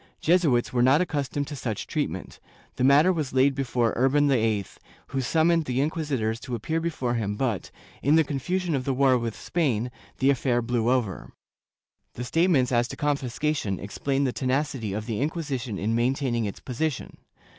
Jesuits were not accustomed to such treatment ; the matter was laid before Urban VIII, who summoned the inquisitors to appear before him but, in the confusion of the war with Spain, the affair blew over/ The statements as to confiscation explain the tenacity of the Inquisition in maintaining its position.